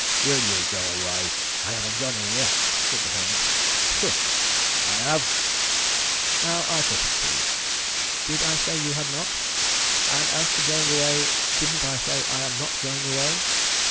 "Will you go away? I have a gun in here," said the Hermit. "Pooh!" "I have!" "Now, I put it to you. Did I say you had not? And as to going away, didn't I say I am not going away?